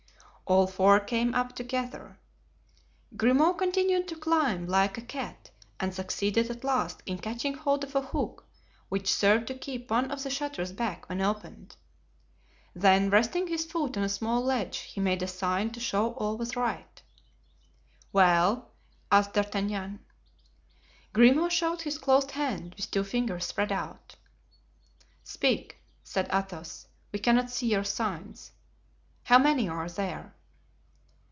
All four came up together. Grimaud continued to climb like a cat and succeeded at last in catching hold of a hook, which served to keep one of the shutters back when opened. Then resting his foot on a small ledge he made a sign to show all was right. "Well?" asked D'Artagnan. Grimaud showed his closed hand, with two fingers spread out. "Speak," said Athos; "we cannot see your signs. How many are there?"